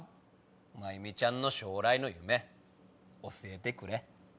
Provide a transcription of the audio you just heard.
マユミちゃんの将来の夢教えてくれ。